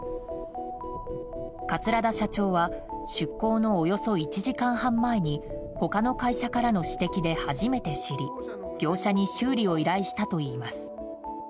桂田社長は出航のおよそ１時間半前に他の会社からの指摘で初めて知り業者に修理を依頼したといいます。